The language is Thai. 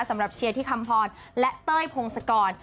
เชียร์ที่คำพรและเต้ยพงศกร